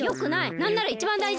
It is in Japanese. なんならいちばんだいじ。